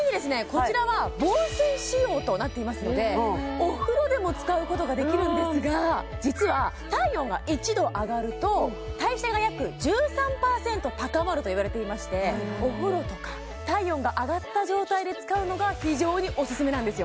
こちらは防水仕様となっていますのでお風呂でも使うことができるんですが実は体温が１℃上がると代謝が約１３％高まるといわれていましてお風呂とか体温が上がった状態で使うのが非常にオススメなんですよ